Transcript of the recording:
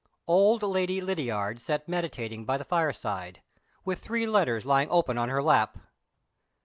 OLD Lady Lydiard sat meditating by the fireside, with three letters lying open on her lap.